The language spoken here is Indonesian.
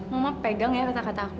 mama pegang ya kata kata aku